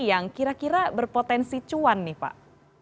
yang kira kira berpotensi cuan nih pak